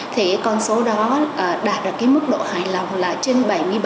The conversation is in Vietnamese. thì cái con số đó đạt được cái mức độ hài lòng là trên bảy mươi bảy